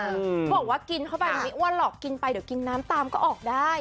บอกว่ากินเข้าไปไม่อ้วนหรอกกินไปเดี๋ยวกินน้ำตามก็ออกได้